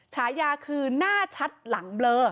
ฉายาคือหน้าชัดหลังเบลอ